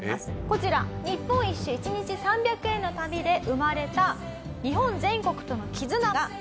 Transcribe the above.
こちら日本一周１日３００円の旅で生まれた日本全国との絆が発動します。